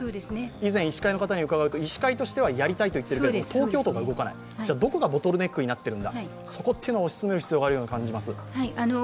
以前、医師会の方に伺うと、医師会としてはやりたいと言っても東京都が動かない、じゃあどこがボトルネックになっているんだ、そこを推し進めるのを必要があると思います。